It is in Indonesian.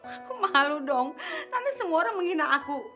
aku malu dong nanti semua orang menghina aku